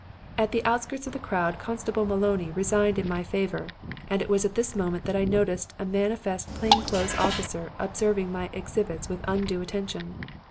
"At the outskirts of the crowd Constable Moloney resigned in my favor, and it was at this moment that I noticed a manifest plain clothes officer observing my exhibits with undue attention.